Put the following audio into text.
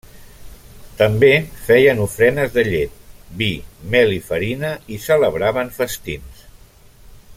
També feien ofrenes de llet, vi, mel i farina i celebraven festins.